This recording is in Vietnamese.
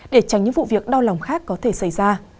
để tránh những vụ việc đau lòng khác có thể xảy ra